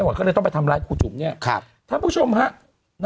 บอกเห็นไหมว่าคุณแม่ของจริง